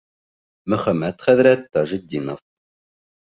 Мөхәммәт хәҙрәт Тажетдинов: